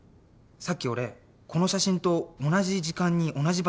さっき俺この写真と同じ時間に同じ場所に立ってたんだけど。